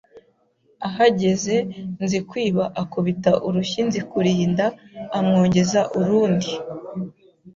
Ahageze Nzikwiba akubita urushyi Nzikurinda amwongeza urundi